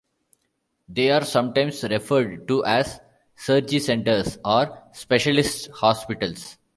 They are sometimes referred to as 'surgicentres' or 'specialist hospitals'.